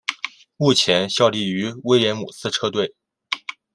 目前效力于威廉姆斯车队。